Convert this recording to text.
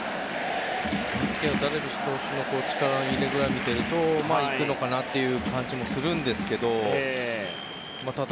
ダルビッシュ投手の力の入れ具合を見ると行くのかなという感じもするんですけど。